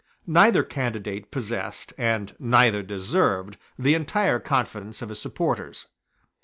Neither candidate possessed, and neither deserved, the entire confidence of his supporters.